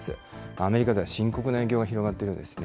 アメリカでは深刻な影響が広がってるんですね。